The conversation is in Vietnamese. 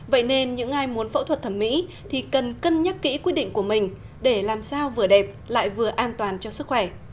vậy nên những ai muốn phẫu thuật thẩm mỹ thì cần cân nhắc kỹ quyết định của mình để làm sao vừa đẹp lại vừa an toàn cho sức khỏe